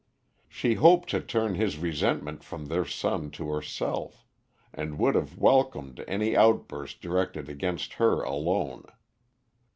She hoped to turn his resentment from their son to herself, and would have welcomed any outburst directed against her alone.